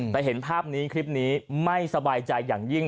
แต่เห็นภาพนี้คลิปนี้ไม่สบายใจอย่างยิ่ง